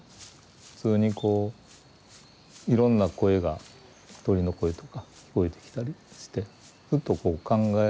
普通にこういろんな声が鳥の声とか聞こえてきたりしてふっとこう考え